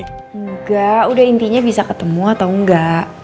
enggak udah intinya bisa ketemu atau enggak